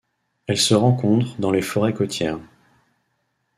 Elle se rencontre dans les forêts côtières.